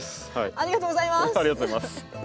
ありがとうございます。